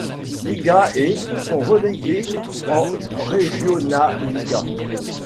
Liga et sont relégués en Regionalliga.